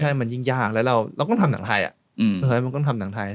ใช่มันยิ่งยากแล้วเราก็ทำหนังไทย